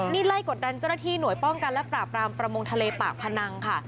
นี่ไล่กดดันเจ้าหน้าที่หน่วยป้องกันและปราบรามประมงทะเลปากพนังค่ะ